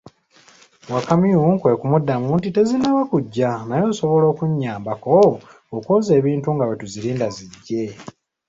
Wakamyu kwe kumuddamu nti, tezinnaba kuggya, naye osobola okunnyabako okwoza ebintu nga bwe tuzirinda ziggye.